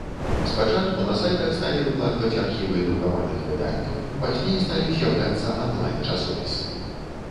Спачатку на сайтах сталі выкладваць архівы друкаваных выданняў, пазней сталі з'яўляцца анлайн-часопісы.